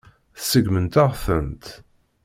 Tseggmemt-aɣ-tent.